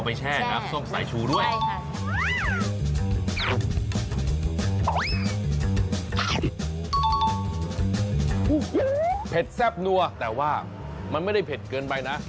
เผ็ดแซ่บนัวแต่ว่ามันไม่ได้เผ็ดเกินไปนะ